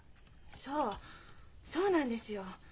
そうそうなんですよ。